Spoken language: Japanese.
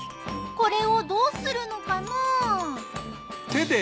これをどうするのかな？